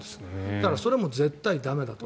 だから、それは絶対に駄目だと。